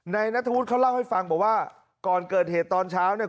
นัทธวุฒิเขาเล่าให้ฟังบอกว่าก่อนเกิดเหตุตอนเช้าเนี่ย